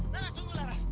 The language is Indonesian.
laras tunggu laras